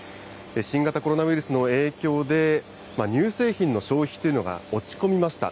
新型コロナウイルスの影響で、乳製品の消費というのが落ち込みました。